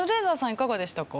いかがでしたか？